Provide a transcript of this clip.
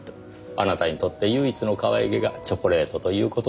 あなたにとって唯一のかわいげがチョコレートという事ですか。